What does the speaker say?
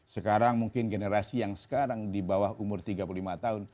sekarang mungkin generasi yang sekarang di bawah umur tiga puluh lima tahun